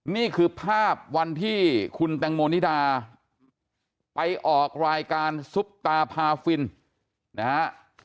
นี่คือภาพวันที่คุณแตงโมนิดาไปออกรายการซุปตาพาฟินนะฮะ